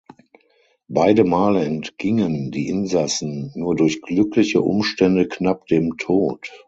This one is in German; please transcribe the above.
Beide Male entgingen die Insassen nur durch glückliche Umstände knapp dem Tod.